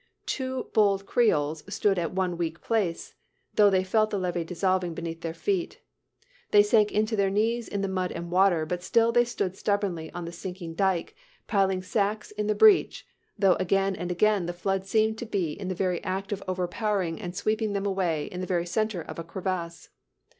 Two bold Creoles stood at one weak place, though they felt the levee dissolving beneath their feet. They sank to their knees in the mud and water, but still they stood stubbornly on the sinking dike, piling sacks in the breach, though again and again the flood seemed to be in the very act of overpowering and sweeping them away in the very center of a crevasse.